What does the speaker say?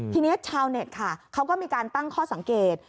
ทีนี้ชาวเน็ตค่ะเขาก็มีการตั้งข้อสังเกต